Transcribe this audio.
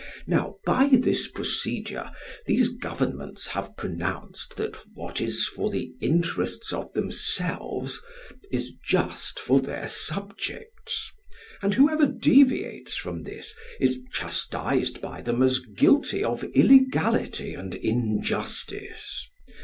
Now by this procedure these governments have pronounced that what is for the interest of themselves is just for their subjects; and whoever deviates from this, is chastised by them as guilty of illegality and injustice.